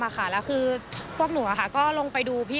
พวกอีกรอบหนึ่งก็ลงไปดูพี่